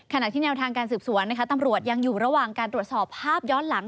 ขณะที่แนวทางการสืบสวนนะคะตำรวจยังอยู่ระหว่างการตรวจสอบภาพย้อนหลัง